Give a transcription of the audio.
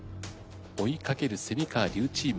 追いかける川・笠チーム。